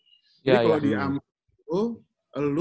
jadi kalau di amrik itu